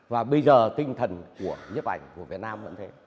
và bây giờ tinh thần của nhếp ảnh của việt nam vẫn thế